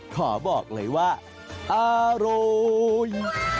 ขอบอกเลยว่าอร่อย